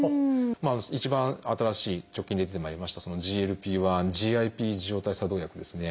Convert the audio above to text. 一番新しい直近で出てまいりましたＧＬＰ−１／ＧＩＰ受容体作動薬ですね